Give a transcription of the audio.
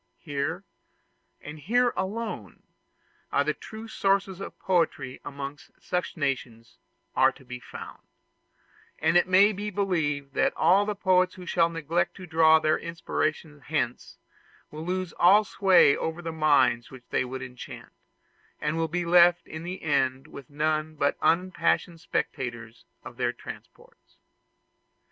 Here, and here alone, the true sources of poetry amongst such nations are to be found; and it may be believed that the poets who shall neglect to draw their inspirations hence, will lose all sway over the minds which they would enchant, and will be left in the end with none but unimpassioned spectators of their transports.